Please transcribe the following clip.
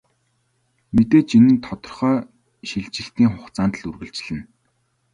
Мэдээж энэ нь тодорхой шилжилтийн хугацаанд л үргэлжилнэ.